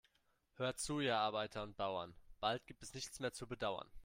Hört zu, ihr Arbeiter und Bauern, bald gibt es nichts mehr zu bedauern.